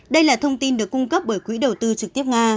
đây là thông tin được cung cấp bởi quỹ đầu tư trực tiếp nga